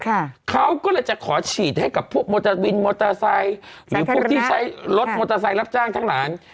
ค่ะเขาก็เลยจะขอฉีดให้กับพวกมอเตอร์วินมอเตอร์ไซค์หรือพวกที่ใช้รถมอเตอร์ไซค์รับจ้างทั้งหลาย